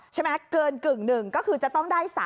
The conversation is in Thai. ใช่ไหมเกินกึ่งหนึ่งก็คือจะต้องได้๓